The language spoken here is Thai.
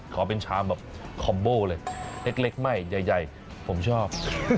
ขอเป็นชามแบบคอมโบเลยเล็กไม่ใหญ่ผมชอบ